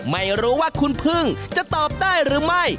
ไม่รู้ว่าคุณพึ่งจะตอบได้หรือไม่